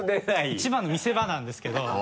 一番の見せ場なんですけど。